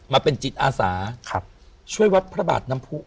มาเป็นจิตอาสาช่วยวัดพระบาทน้ำผู้